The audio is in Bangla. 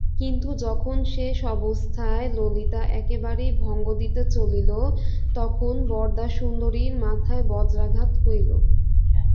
কিন্তু যখন শেষ অবস্থায় ললিতা একেবারেই ভঙ্গ দিতে চাহিল তখন বরদাসুন্দরীর মাথায় বজ্রাঘাত হইল।